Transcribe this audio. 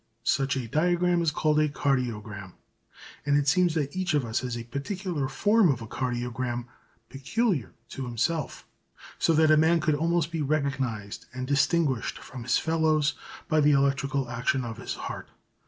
Such a diagram is called a "cardiogram," and it seems that each of us has a particular form of cardiogram peculiar to himself, so that a man could almost be recognised and distinguished from his fellows by the electrical action of his heart.